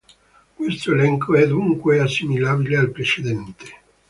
Questo elenco è dunque assimilabile al precedente.